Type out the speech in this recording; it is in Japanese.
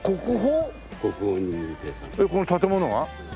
えっこの建物が？